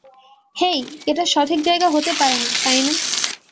হেই, এটা সঠিক জায়গা হতে পারে না, তাই না?